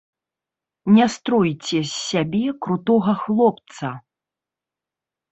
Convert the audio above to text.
Не стройце з сябе крутога хлопца.